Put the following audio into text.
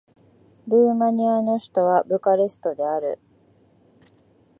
ルーマニアの首都はブカレストである